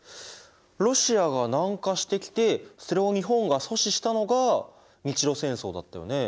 ロシアが南下してきてそれを日本が阻止したのが日露戦争だったよね。